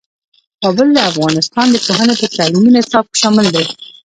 کابل د افغانستان د پوهنې په تعلیمي نصاب کې شامل دی.